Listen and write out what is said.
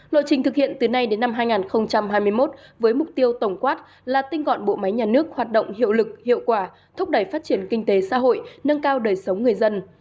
lộ trình thực hiện từ nay đến năm hai nghìn hai mươi một với mục tiêu tổng quát là tinh gọn bộ máy nhà nước hoạt động hiệu lực hiệu quả thúc đẩy phát triển kinh tế xã hội nâng cao đời sống người dân